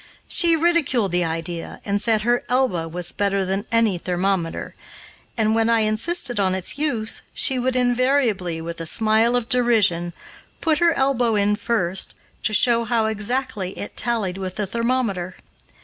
She ridiculed the idea, and said her elbow was better than any thermometer, and, when I insisted on its use, she would invariably, with a smile of derision, put her elbow in first, to show how exactly it tallied with the thermometer.